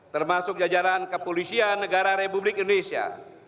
termasuk jajaran kepolisian negara republik indonesia